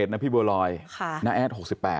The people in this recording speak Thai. นะพี่บัวลอยน้าแอด๖๘